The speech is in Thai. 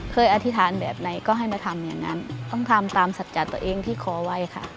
อธิษฐานแบบไหนก็ให้มาทำอย่างนั้นต้องทำตามสัจจะตัวเองที่ขอไว้ค่ะ